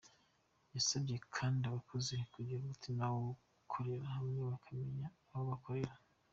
Yasabye kandi abakozi kugira umutima wo gukorera hamwe bakamenya abo bakorera.